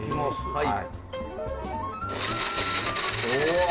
はい。